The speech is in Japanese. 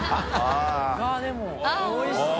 あっおいしそう！